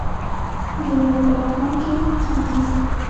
لیمو په لغمان کې کیږي